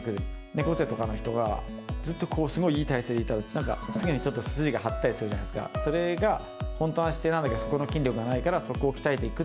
猫背とかの人が、ずっとすごいいい体勢でいたら、なんか、次の日ちょっと筋が張ったりするじゃないですか、それが本当の姿勢なんだけれども、そこの筋力がない、そこを鍛えていく。